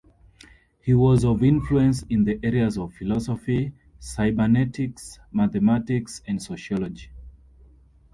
He was of influence in the areas of philosophy, cybernetics, mathematics, and sociology.